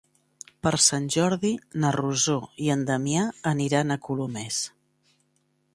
Per Sant Jordi na Rosó i en Damià aniran a Colomers.